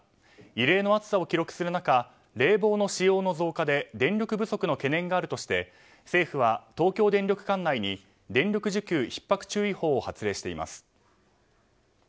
異例の暑さを記録する中冷房の使用の増加で電力不足の懸念があるとして政府は東京電力管内に電力需給ひっ迫注意報を発令しています。